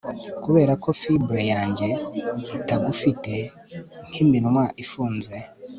Kuberako fibre yanjye itagufite nkiminwa ifunze